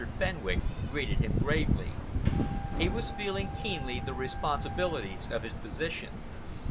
Fenwick greeted him gravely. He was feeling keenly the responsibilities of his position.